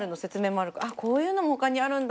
あっこういうのもほかにあるんだ。